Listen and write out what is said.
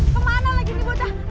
kemana lagini bot'ah